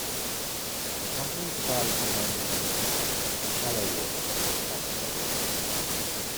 The company decided to name the new town Shallowater to attract settlers.